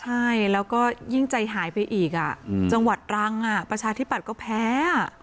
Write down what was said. ใช่แล้วก็ยิ่งใจหายไปอีกจังหวัดรังประชาธิปัตย์ก็แพ้